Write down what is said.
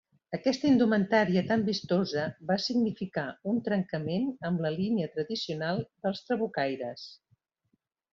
Aquesta indumentària tan vistosa va significar un trencament amb la línia tradicional dels trabucaires.